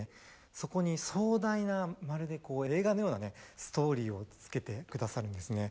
そこに壮大なまるでこう映画のようなねストーリーを付けてくださるんですね。